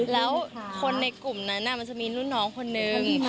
แล้วคนในกลุ่มนั้นมันจะมีรุ่นน้องคนนึง